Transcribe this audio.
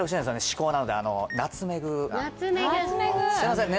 至高なのでナツメグナツメグすいませんね